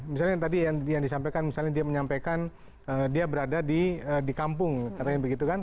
misalnya tadi yang disampaikan misalnya dia menyampaikan dia berada di kampung katanya begitu kan